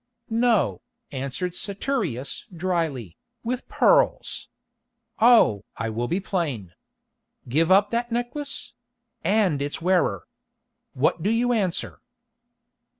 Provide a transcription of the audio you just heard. "No," answered Saturius drily, "with pearls. Oh! I will be plain. Give up that necklace—and its wearer. What do you answer?"